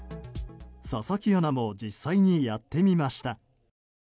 佐々木アナも実際にやってみました。